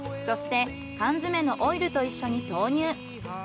そして缶詰のオイルと一緒に投入。